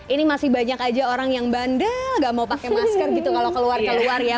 ini masih banyak aja orang yang bandel gak mau pakai masker gitu kalau keluar keluar ya